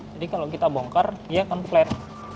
jadi kalau kita bongkar dia akan flat